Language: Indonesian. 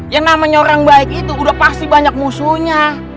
yang namanya orang baik itu udah pasti banyak musuhnya